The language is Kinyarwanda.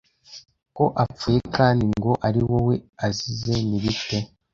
ko apfuye kandi ngo ari wowe azize ni bite